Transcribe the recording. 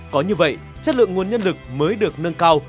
có như vậy chất lượng nguồn nhân lực mới được nâng cao